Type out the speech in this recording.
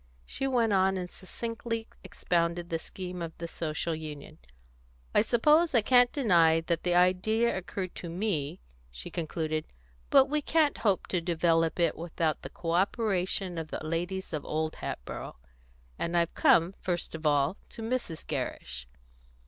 She went on and succinctly expounded the scheme of the Social Union. "I suppose I can't deny that the idea occurred to me," she concluded, "but we can't hope to develop it without the co operation of the ladies of Old Hatboro', and I've come, first of all, to Mrs. Gerrish."